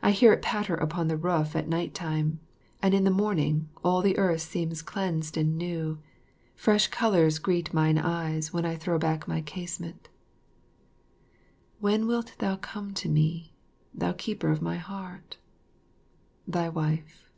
I hear it patter upon the roof at night time, and in the morning all the earth seems cleansed and new; fresh colours greet mine eye when I throw back my casement. When wilt thou come to me, thou keeper of my heart? Thy Wife.